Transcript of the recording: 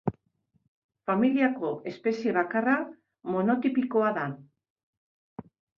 Familiako espezie bakarra, monotipikoa da.